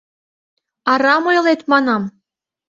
Арам ойлет, манам.